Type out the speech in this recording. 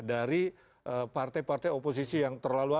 dari partai partai oposisi yang terlalu